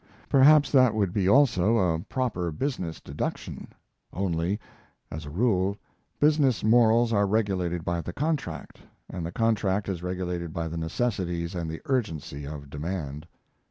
Perhaps that would be also a proper business deduction; only, as a rule, business morals are regulated by the contract, and the contract is regulated by the necessities and the urgency of demand.